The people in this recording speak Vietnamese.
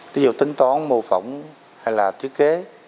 tí dụ tính toán mô phỏng hay là thiết kế